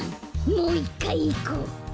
もういっかいいこう！